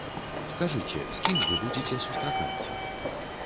Скажыце, з кім вы будзеце сустракацца?